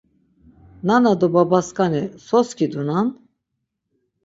Nana do babaskani so skidunan?